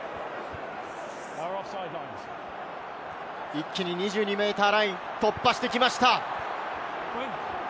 一気に２２ｍラインを突破してきました。